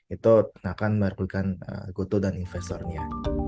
itu akan merugikan gotoh dan investornya